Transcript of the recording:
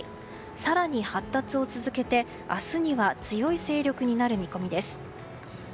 更に発達を続けて明日には強い勢力になる見込みです。